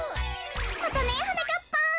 またねはなかっぱん。